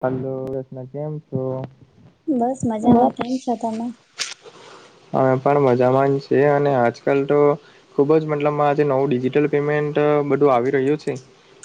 Hello [unintelligible] કેમ છો બસ મજામાં, કેમ છો તમે અમે પણ મજામાં જ છીએ અને આજકાલ તો ખુબ જ મતલબ આજે નવું ડિજિટલ પેમેન્ટ બધું આવી રહ્યું છે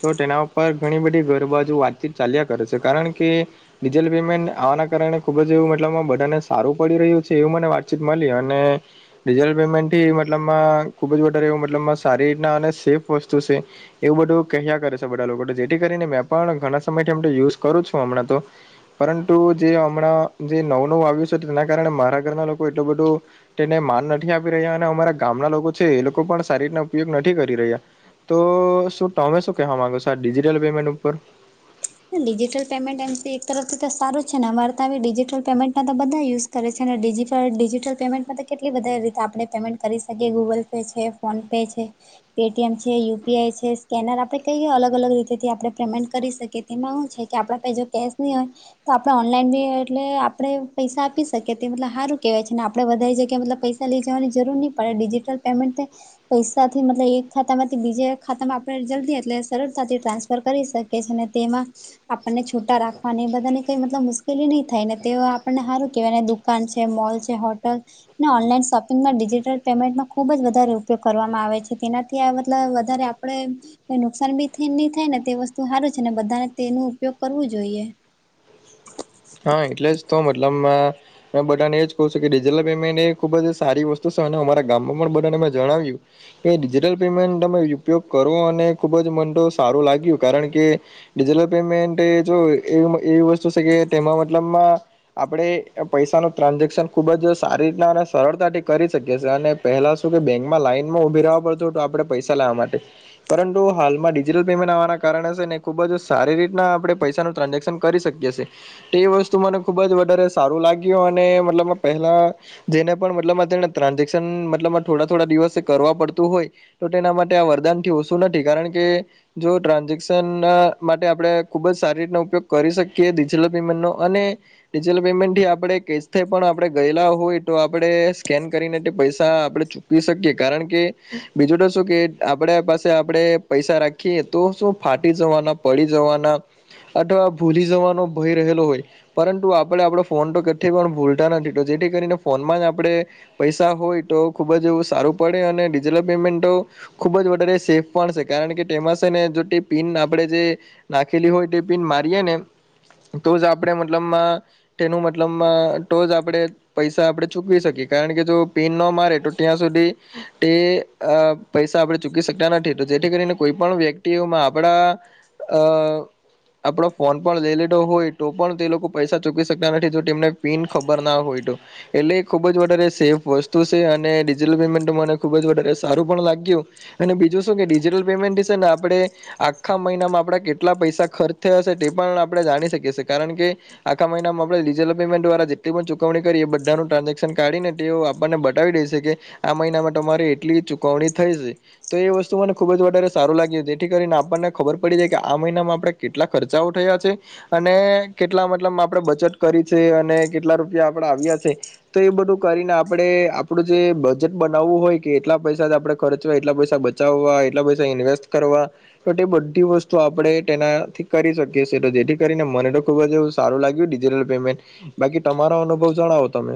તો તેના ઉપર ઘણી બધી ઘર બાજુ વાતચીત ચાલ્યા કરે છે કારણ કે ડિજિટલ પેમેન્ટ આવાના કારણે ખુબ એવું મતલબ બધાને સારું પડી રહ્યું છે એવું મને વાતચીત મળી અને ડિજિટલ પેમેન્ટથી મતલબમાં ખૂબ જ વધારે એવું મતલબમાં સારી રીતના અને સેફ વસ્તુ છે એવું બધું કહ્યા કરે છે બધા લોકો જેથી કરીને મેં પણ ઘણા સમયથી યુઝ કરું છું હમણાં તો પરંતુ જે હમણાં જે નવું નવું આવ્યું છે તેના કારણે મારા ઘરના લોકો એટલું બધું તેને માન નથી આપી રહ્યા અને અમારા ગામના લોકો છે એ લોકો પણ સારી રીતના ઉપયોગ નથી કરી રહ્યા તો શું તમે શું કહેવા માંગો છો ડિજિટલ પેમેન્ટ ઉપર ડિજિટલ પેમેન્ટ એમ એક તરફથી તો સારું છે ને અમાર તાબી ડિજિટલ પેમેન્ટના તો બધા યુઝ કરે છે અને ને ડિજિટલ, ડિજિટલ પેમેન્ટમાં તો કેટલી વધારે રીતે આપણે પેમેન્ટ કરી શકીએ ગૂગલ પે છે ફોન પે છે પેટીએમ છે, યુપીઆઈ છે, સ્કેનર આપણે કઈ અલગ અલગ રીતેથી આપણેે પેમેન્ટ કરી શકીએ એમાં હું છે કે આપણા પાહે જો કેશ નહીં હોય તો આપડે ઓનલાઈન બી એટલે આપણે પૈસા આપી શકીએ તે મતલબ હારું કેહેવાય છે ને આપડે વધારે જગ્યાએ મતલબ પૈસા લઈ જવાની જરૂર ની પણ ડિજિટલ પેમેન્ટથી પૈસાથી મતલબ એક ખાતામાંથી બીજે ખાતામાં આપણે જલ્દી એટલે સરળતાથી ટ્રાન્સફર કરી શકીએ છીએ ને તેમાં આપણને છૂટા રાખવાની એ બધાને કઈ મતલબ મુશ્કેલી નહી થાય ને તે આપણને હારું કેહેવાયને દુ કાન છે, મોલ છે, હોટલ ને ઓનલાઈન શોપિંગમાં ડિજિટલ પેમેન્ટમાં ખુબ જ વધારે ઉપયોગ કરવામાં આવે છે તેનાથી આ મતલ વધારે આપડે નુકસાન બી ની થાય ને તે વસ્તુ સારું છે ને બધાને તેનો ઉપયોગ કરવો જોઈએ હા, એટલે જ તો મતલબમાં બધાને એજ કહુ છું કે ડિજિટલ પેમેન્ટ એ ખુબ જ સારી વસ્તુ સે અને અમારા ગામમાં પણ બધાને મે જણાવ્યું એ ડિજિટલ પેમેન્ટ તમે ઉપયોગ કરો અને ખૂબ જ મન તો સારું લાગ્યું કારણ કે ડિજિટલ પેમેન્ટ એ જો એવ એવી વસ્તુ છે કે તેમાં મતલબમાં આપણે પૈસાનું ટ્રાન્ઝેક્શન ખુબ જ સારી રીતના અને સરળતાથી કરી શકીએ છીએ અને પેલા શું કે બેંકમાં લાઈન માં ઉભી રેવા પડતુ તુ આપણે પૈસા લેવા માટે પરંતુ હાલમાં ડિજિટલ પેમેન્ટ આવવાના કારણે સે ને ખૂબ જ સારી રીતના આપણે પૈસાનું ટ્રાન્ઝેક્શન કરી શકીએ છીએ તે વસ્તુ મને ખુબ જ વધારે સારું લાગ્યું અને મતલબ માં પહેલા જેને પણ મતલબમાં ટ્રાન્ઝેક્શન મતલબમા થોડા થોડા દિવસે કરવા પડતું હોય તો તેના માટે આ વરદાન થી ઓછું નથી કારણ કે જો ટ્રાન્ઝેક્શન માટે આપણે ખુબ જ સારી રીતના ઉપયોગ કરી શકીએ છેલ્લે પેમેન્ટ નો અને ડિજિટલ પેમેન્ટ થી આપણે કેશે પણ આપણે ગયેલા હોય તો આપણે સ્કેન કરીને તે પૈસા આપડે ચૂ પી શકીએ કારણ કે બીજું તો શું કે આપડે પાસે આપણે પૈસા રાખી તો શું ફાટી જવાના, પડી જવાના અથવા ભૂલી જવાનું ભય રહેલો હોય પરંતુ આપણે આપડો ફોન તો કથે પણ ભૂલતા નથીતો જેથી કરીને ફોનમાં જ આપડે પૈસા હોય તો ખુબ જ એવું સારું પડે અને ડિજટલ પેમેન્ટ તો ખૂબ જ વધારે સેફ પણ છે કારણ કે તેમાં છે ને જો તે પિન આપણે જે નાખેલી હોય તે પી મારીએે ને તો જ આપણે મતલબમાં તેનું મતલબમા તો જ આપણેે પૈસા આપણે ચૂકવી શકીએ કારણ કે જો પીન ન મારે તો ત્યાં સુધી તે અ પૈસા આપણે ચૂકી શકતા નથી તો જેથી કરીને કોઈ પણ વ્યક્તિઓમાં આપણા અ આપડો ફોન પણ લઈ લે. તો હોય તો પણ તે લોકો પૈસા ચૂકી શકતા નથી જો તેમને પીન ખબર ના હોય તો. એટલે ખુબ જ વધારે સેફ વસ્તુ છે અને ડિજટલ પેમેન્ટ મને ખુબ જ વધારે સારું પણ લાગ્યું અને બીજું શું કે ડિજિટલ પેમેન્ટ છે ને આપડે આખા મહિનામાં આપણા કેટલા પૈસા ખર્ચ થયા હશે તે પણ આપણે જાણી શકીએી એ કારણ કે આખા મહિનામાં આપણે ડિજિટલ પેમેન્ટ દ્વારા જેટલી પણ ચૂકવણી કરી એ બધાનું ટ્રાન્ઝેક્શ કાઢી ને તેવો આપ આપણને બતાવી દેશે કે આ મહિનામાં તમારે એટલી ચુકવણી થઈ છે. તો એ વસ્તુ મને ખુબ જ વધારે સારું લાગ્યું છે જેથી કરીને આપણને ખબર પડી જાય કે આ મહિનામાં આપણે કેટલા ખર્ચાઓ થયા છે. અને કેટલા મતલબ આપણે બચત કરી છે અને કેટલા રૂપિયા આપણે આવ્યા છે. તો એ બધું કરીને આપડણે આપડું જે બજેટ બનાવવું હોય કે એટલા પૈસા આપડે ખર્ચ હોય એટલા પૈસા બચાવવા એટલા પૈસા ઇન્વેસ્ટ કરવા તો તે બધી વસ્તુ આપણે તેનાથી કરી શકીએ તો જેથી કરીને મને તો ખુબ જ એવું સારું લાગ્યું ડિજિટલ પેમેન્ટ બાકી તમારો અનુભવ જણાવો તમે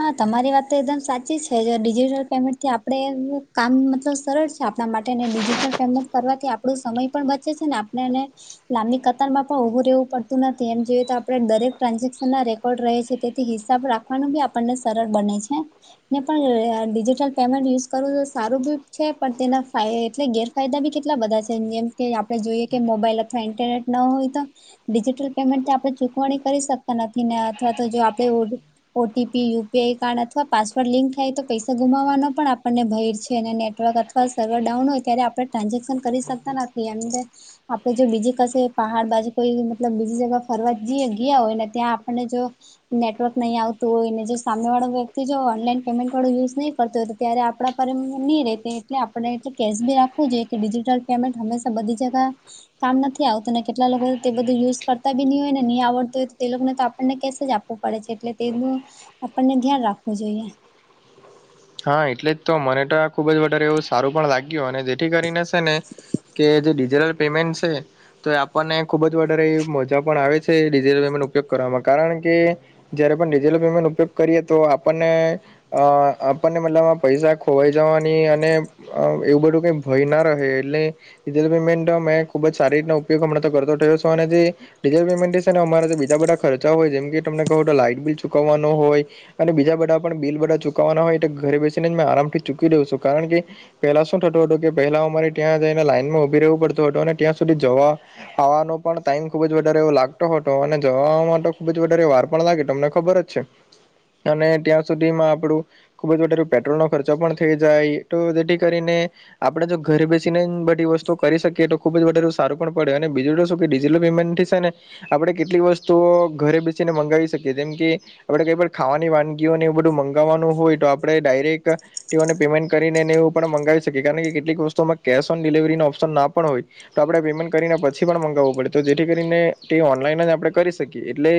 હા તમારી વાત તો એકદમ સાચી છે જો ડિજિટલ પેમેન્ટ થી આપણે કામ મતલબ સરળ છે. આપણા માટેને ડિજિટલ પેમેન્ટ કરવાથી આપણું સમય પણ બચે છે ને આપણેને લાંબી કતારમાં પણ ઉભું રહેવું પડતુ નથી એમ જોઈએ તો આપણે દરેક ટ્રાન્ઝેક્શન ના રહે છે તેથી હિસાબ રાખવાનું બી આપણને સરળ બને છે. ને પણ ડિજિટલ પેમેન્ટ યુઝ કરવું તો સારું બી છે પણ તેના ફાય એટલે ગેર ફાયદા બી કેટલા બધા છે જેમ કે આપણે જોઈએ કે મોબાઈલ અથવા ઇન્ટરનેટ ન હોય તો ડિજિટલ પેમેન્ટથી આપણે ચૂકવણી કરી શકતા નથી ને અથવા તો જો આપે ઓટીપી યુપીઆઈ કાર્ડ અથવા પાસવર્ડ લિંક થાય તો પૈસા ગુમાવવાનો પણ આપણને ભય છે અને નેટવર્કવા પણ સર્વર ડાઉન હોય ત્યારે આપણે ટ્રાન્ઝેક્શન કરી શકતા નથી એમ આપણે જો બીજી કસે પહાડ બાજુ કોઈ મતલબ બીજી જગ્યા ફરવા જઈ ગયા હોય ને ત્યાં આપણને જો નેટવર્ક. નહીં આવતું હોય ને જે સામેવાળો વ્યક્તિ જો ઓનલાઈન પેમેન્ટ વાળો યુઝ નહીં કરતો હોય તો ત્યારે આપણા પર નહીં રે તે. એટલે આપણે એટલુ કેશ બી રાખવું જોઈએ કે ડિજિટલ પેમેન્ટ હંમેશા બધી જગા કામ નથી આવતું ને કેટલા લોકો તે બધું યુઝ કરતા બી નહી હોય ને નહીં આવડતું હોય તે લોકોને તો આપણને કેસે જ આપ આપુ પડે છે એટલે તેનું આપણને ધ્યાન રાખવું જોઈએ. હા એટલે જ તો મને તો આ ખુબ જ વધારે એવું સારું પણ લાગ્યું અને જેથી કરીને છે ને કે જે ડિજિટલ પેમેન્ટ છે. તો આપણને ખૂબ જ વધારે એ મજા પણ આવે છે ડિજિટલ પેમેન્ટનો ઉપયોગ કરવામાં કારણ કે જયારે પણ ડિજિટલ પેમેન્ટ ઉપયોગ કરીએ તો આપણને અ આપણને મતલબ આ પૈસા ખોવાઈ જવાની અને અ એવું બધું કંઈ ભય ના રહે એટલે ડિજિટલ પેમેન્ટ મે ખુબ જ સારી રીતનો ઉપયોગ હમણાં તો કરતો થયો [inaudible] છ અનેથી ડીઝલ પેમેન્ટન ને સાથે અમારા બીજા બધા ખર્ચા હોય જેમ કે તમને કહો તો લાઈટ બિલ ચૂકવવાનો હોય અને બીજા બધા પણ બિલ બધા ચૂકવાના હોય એટ ઘરે બેસીને જ મેં આરામથી ચૂકી દઉં છું કારણ કે પેલા શું થતુ હતુ કે પહેલા અમારે ત્યાં જઈને લાઈન માં ઉભી રહેવું પડતું હતું અને ત્યાં સુધી જવા આવાનો પણ ટાઈમ ખુબ જ વધારે એવો લાગતો હતો અને જવા માટે ખુબ જ વધારે વાર પણ લાગી તમને ખબર જ છે અને ત્યાં સુધીમાં આપડું ખુબ જ વધારે પેટ્રોલનો ખર્ચો પણ થઈ જાય તો જેથી કરીને આપડે જો ઘર બેસીને બધી વસ્તુ કરી શકીએ તો ખુબ જ વધારે સારું પણ પડે અને બીજું તો ડિજિટલ પેમેન્ટથી છે ને આપણે કેટલીક વસ્તુઓ ઘરે બેસીને મંગાવી શકીએ જેમ કે આપણે કઈ ખાવાની વાનગીઓને એ બધું મંગાવવાનું હોય તો આપડણે ડાયરેક તેઓને પેમેન્ટ કરીનેને એ પણ મંગાવી શકે કારણ કેટલીક વસ્તુમાં કેશ ઓન ડિલિવરીનો ઓપ્શન ના પણ હોય. તો આપણે પેમેન્ટ કરીને પછી પણ મંગાવવું પડે તો જેથી કરીને તે ઓનલાઈન જ આપણે કરી શકીએ એટલે-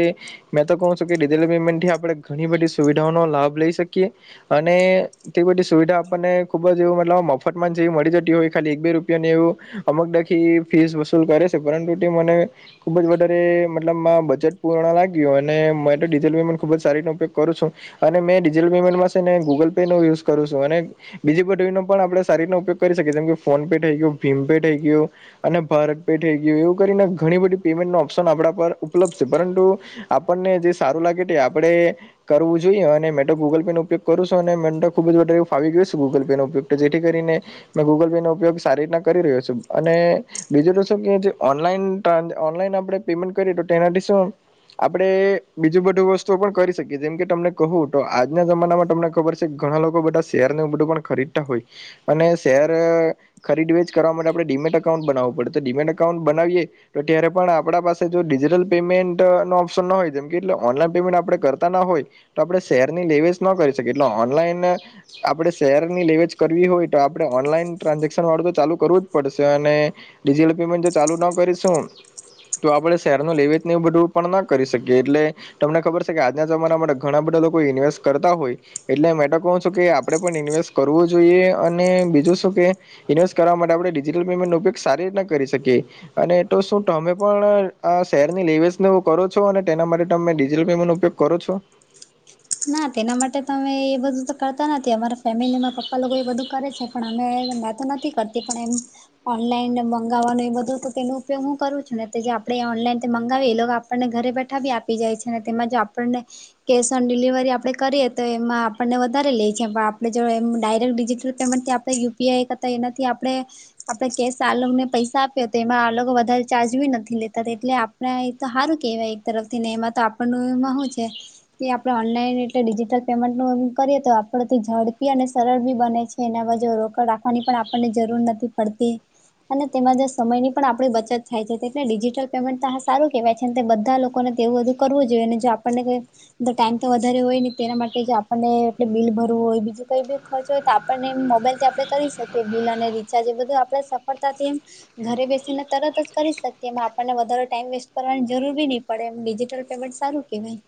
મે તો કહ છું કેલ પેમેન્ટ થી આપણે ઘણી બધી સુવિધાઓનો લાભ લઈ શકીએ અને- તે બધી સુવિધા આપણને ખુબ જ એવું મતલબ મફતમાંન જેવી મળી જતી હોય ખાલી એક બે રૂપિયાની એવું. અમક દખી ફીસ વસૂલ કરે છે. પરંતુ તે મને ખુબ જ વધારે મતલબ બજેટ પૂર્ણ લાગ્યું અને તો ડીઝલ પેમેન્ટ ખુબ જ સારીનો ઉપયોગ કરું છું. અને મેં ડિજિટલ પેમેન્ટમાં છે ને ગૂગલ પે નો યુઝ કરું છું અને- બીજી બધનો પણ આપણે સારી રીનો ઉપયોગ કરી શકીએ જેમ કે ફોન પે થઈ ગયો ભીમપે થઈ ગયો? અને ભારત પે થઈ ગયું એવું કરીને ઘણી બધી પેમેન્ટ ન ઓપ્શન આપણા પર ઉપલબ્ધ છે પરંતુ- આપણને જે સારું લાગે તે આપડે કરવું જોઈએ અને મે તોો ગૂગલ પે નો ઉપયોગ- કરું છું અને મેનન્ટ ખૂબ જ વધારેું ફાવી ગયું છે ગૂગલે ન ઉપયોગ જેથી કરીને- મેં ગૂગલ પે નો ઉપયોગ સારી રીતના કરી રહ્યો છું અને- બીજું તો શું ક ઓનન ઓન આપણે પેમેન્ટ કરીએ તો તેનાથી શું- આપડણે બીજું બધું વસ્તુ પણ કરી શકીએ જેમ કે તમને કહું તો આજના જમાનામાં- તમને ખબર છે ઘણા લોકો બધા શેરને બધું પણ ખરીદતા હોય અને શેર- ખરીદ વેજ કરવા માટે આપણે ડીમેટ અાઉન્ટ બનાવું પડે તો ડીમેટ એકાઉન્ટ બનાવીએ- તો ત્યારે પણ આપણા પાસે જો ડિજિટલ પેમેન્ટ નો ઓપ્શન ના હોય જેમકે એટલે ઓનલાઈન પેમેન્ટ આપણે કરતા ના હોય- તો આપણે શેરની લેવેઝ ન કરી શકીએ એટલે ઓનલાઈન- આપડણે શેર ની લેવેજ કરવી હોય તો આપડણે ઓનલાઈન ટ્રાન્ઝેક્શન વાળું તો ચાલુ કરવું જ પડશે અને- ડિજિટલ પેમેન્ટ જો ચાલુ ન કરીશું- તો આપણે શહેરનું લેવીતને એવું બધવું પણ ન કરી શકીએ એટલે- તમને ખબર છે કે આજના જમાના માટે ઘણા બધા લોકો ઇન્વેસ્ટ કરતા હોય- એટલે મે તો કહું છું કે આપડે પણ ઇન્વેસ્ટ કરવું જોઈએ અને બીજું શું કે- ઇન્વેસ્ટ કરવા માટે આપણે ડિજિટલ પેમેન્ટો ઉપયોગ સારી રીતના કરી શકીએ- અને તો શું તમે પણ આ શેરની લેવેસને કરો છો અને તેના માટે તમે ડિજિટલ પેમેન્ટ ઉપયોગ- કરું છો? ના તેના માટે તો અમે એ બધું તો કરતા નથી અમારા ફેમિલીમાં પપ્પા લોકો એ બધું કરે છે. પણ અમે ધંધા તો નથી કરતી પણ એમ- ઓનલાઈન મંગાવવાનો એ બધું તેનો ઉપયોગ હું કરું છું. ને જે આપણેે ઓનલાઈન મંગાવીએ એ લોકો- આપને ઘરે બેઠા બી આપી જાય છે. ને તેમાં જો આપણને કે- ડિલિવરી આપણે કરીએ તો એમાં આપણને વધારે લેએ છે પણ આપણે જો એમ ડાયરેક્ટ ડિજિટલ પેમેન્ટથી આપ- યુપીઆઈ કરતા એનાથી આપડણે- આપડે કેસ આલોને પૈસા આપ્યો તો એમાં આ લોકો વધારે ચાર્જી નથી લેતા એટલે- આપ એ તો સારું કેહેવાય એક તરફથી ને એમાં તો આપણ ન એમાં શું છે. તે આપણે ઓનલાઈન એટલે ડિજીટલ પેમેન્ટ નું એમ કરીએ તો આપડથી ઝડપી અને સરળ બી બને છે. એના બાુ રોકડ રાખવાની પણ આપણને જરૂર નથી પડતી- અને તેમાં જ સમયની પણ આપણી બચત થાય છે. એટલે ડિજીટલ પેમેન્ટ તો આ સારું કેહેવાય છે. તે બધા લોકોને તેવું બધું કરવું જોઈએ ને જો -આપણ ને ઈ ટાઈમ તો વધારે હોય ને તેના માટે જ આપણને એટલે બિલ ભરવું હોય બીજું કંઈ બી ખર્ચ હોય તો આપ ટાઈ અને મોબાઈલ થી આપણે કરી શકીએ બિલ અને રીચાર્જ એ બધું આપણે સફળતાથી એમ ઘરે બેસીને તરત જ કરી શકીએ એમા આપણને વધારે ટાઈમ વેસ્ટ કરવાની જરૂરી બી નહી પડે એમ ડિજિટલ પેમેન્ટ સારું કેવાય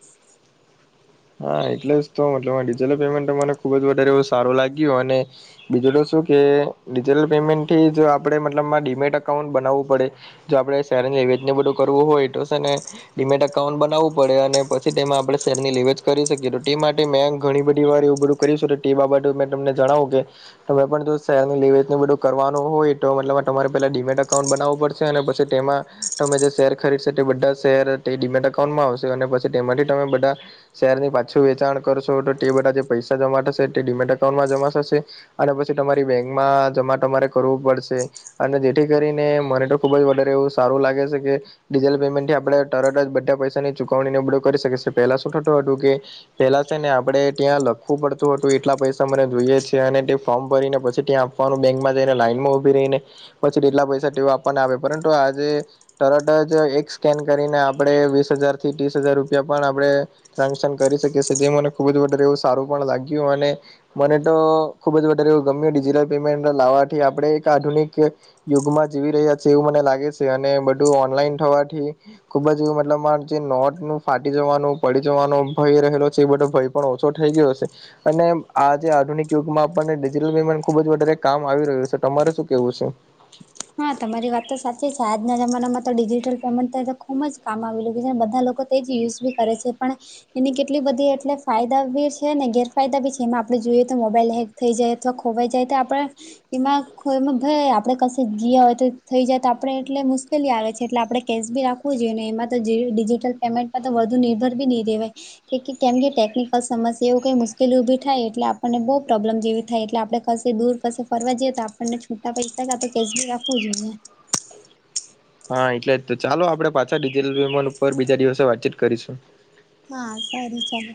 હા એટલે જ તો મતલબ આ ડિજીટલ પેમેન્ટ મને ખુબ જ વધારે એવું સારું લાગ્યું અને બીજું તો શું કે -ડિજિટલ પેમેન્ટથી જો આપણે મતલબમાં ડીમેટ એકાઉન્ટ બનાવવું પડે જો આપણે શહેરની લે વેચ બીજું બધું કરવું હોય તો છે ને ડીમેટ એકાઉન્ટ બનાવવું પડે અને પછી તેમાં આપણે શેરની લે વેચ કરી શકીએ તો તે માટે મેં ઘણી બધી વાર એવું બધું કરીયું છે તે બાબતતે મેં તમને જણાવું કે તમે પણ જો શહેર ની લેવે બધું કરવાનું હોય તો મતલબ તમારે પેલા ડીમેટ એકાઉન્ટ બનાવું પડશે અને પછી તેમાં તમે જે શેર ખરીદશે તે બધા શેર તે ડિમેટ એકાઉન્ટ માં આવશે અને પછી તેમાંથી તમે બધા શેરની પાછું વેચાણ કરશો તો તે બધા જે પૈસા જમા થશે તે ડીમેટ એકાઉન્ટમાં જમા થશે અને પછી તમારી બેંક માં જમા તમારે કરવું પડશે અને જેથી કરીને મને તો ખુબ જ વધારે એવું સારું લાગે છે કે ડિજટલ પેમેન્ટથી આપણે તરત જ બધા પૈસાની ચુકવણીને બધુ કરી શકી છે પેલા શું થતું હતું કે પેલા છે ને આપડે ત્યાં લખવું પડતું હતું એટલા પૈસા મને જોઈએ છે અને તે ફોર્મ ભરીને પછી ત્યાં આપવા નું બેંકમાં જઈને લાઈનમાં ઉભી રહીને પછી તેટલા પૈસા તેવો આપવા ના આવે પરંતુ આજે તરત જ એક સ્કેન કરીને આપણે વીસ હજાર થી ત્રીસ હજાર રૂપિયા પણ આપણે ટ્રાન્ઝન કરી શકે છે જે મને ખુબ જ વધારે એવું સારું પણ લાગ્યું અને મને તો ખુબ જ વધારે એવું ગમ્યું ડિજટલ પેમેન્ટ લાવવાથી આપણે એક આધુનિક યુગમાં જીવી રહ્યા છે એવું મને લાગે છે અને બધું ઓનલાઈન થવાથી ખુબ જ મતલબ મારે જે નોટ નું ફાટી જવાનું પડી જવાનો ભય રહેલો છે એ બધો ભય પણ ઓછો થઇ ગયો છે અને આજે આધુનિક યુગમાં આપણને ડિજટલ પેમેન્ટ ખુબ જ વધારે કામ આવી રહ્યું છે તમારે શું કેવું છે હા તમારી વાત તો સાચી છે આજના જમાનામાં તો ડિજિટલ પેમેન્ટ થાય તો ખૂબ જ કામ આવીલ્યું છે બધા લોકો તે યુઝ બી કરે છે પણ એની કેટલી બધી એટલે ફાયદા બી છે ને ગેરફાયદા બી છે એમાં આપડે જોઈએ તો મોબાઈલ હેગ થઈ જાય અથવા ખોવાઈ જાય તો આપણેે એમાં માં [unintelligible] ભાઈ આપડે કશું ગિયા હોય તો થઈ જાય તો આપણે એટલે મુશ્કેલી આવે છે એટલે આપણે કેશ બી રાખવું જોઈએ ને એમાં તો જે ડિજિટલ પેમેન્ટ પર તો વધુ નિર્ભર બી નહીં રહેવાય કે કેમ કે ટેકનિકલ સમસ્યા એવું કઈ મુશ્કેલી ઊભી થાય એટલે આપણને બહુ પ્રોબ્લેમ જેવી થાય એટલે આપણે પછી દૂર કશે ફરવા જઈએ તો આપણને છુટા પૈસા કા તો કેશ બી રાખવું જોઈએ હા એટલે જ તો ચાલો આપડે પાછા ડીજટલ પેમેન્ટ ઉપર બીજા દિવસે વાતચીત કરીશું હા સારું ચાલો